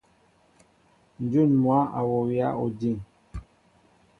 Njŭn mwă a wowya ojiŋ.